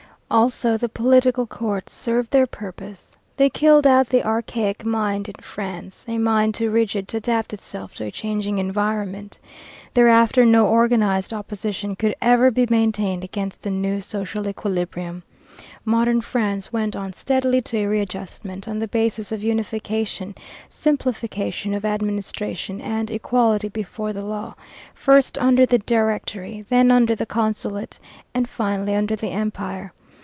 Also, the political courts served their purpose. They killed out the archaic mind in France, a mind too rigid to adapt itself to a changing environment. Thereafter no organized opposition could ever be maintained against the new social equilibrium. Modern France went on steadily to a readjustment, on the basis of unification, simplification of administration, and equality before the law, first under the Directory, then under the Consulate, and finally under the Empire.